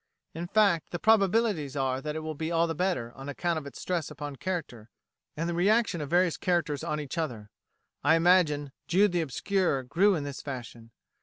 In fact, the probabilities are that it will be all the better, on account of its stress upon character, and the reaction of various characters on each other. I imagine "Jude the Obscure" grew in this fashion.